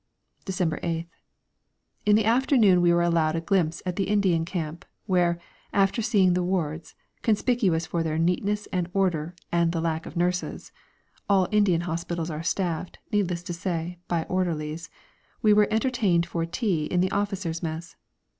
December 8th. In the afternoon we were allowed a glimpse at the Indian camp, where, after seeing the wards, conspicuous for their neatness and order and the lack of nurses (all Indian hospitals are staffed, needless to say, by orderlies), we were entertained for tea in the officers' mess.